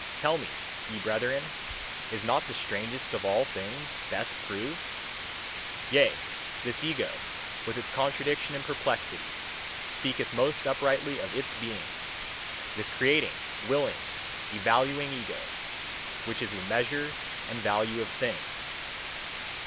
Tell me, ye brethren, is not the strangest of all things best proved? Yea, this ego, with its contradiction and perplexity, speaketh most uprightly of its being this creating, willing, evaluing ego, which is the measure and value of things.